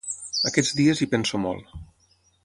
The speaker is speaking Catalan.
Aquests dies hi penso molt.